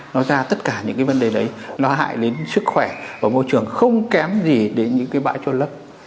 nó ra tất cả những cái vấn đề đấy nó hại đến sức khỏe và môi trường không kém gì đến những cái bãi trôn lấp